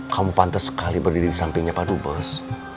kamu pantas sekali berdiri di sampingnya padu bos